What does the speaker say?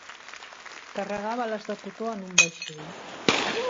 Carregar bales de cotó en un vaixell.